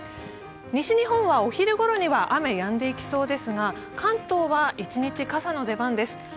西日本はお昼ごろには雨やんでいきそうですが関東は一日、傘の出番です。